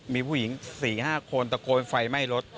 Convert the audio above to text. มีผู้หญิง๔๕คนตะโกนไฟไหม้รถ